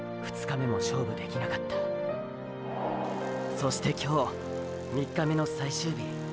そして今日ーー３日目の最終日。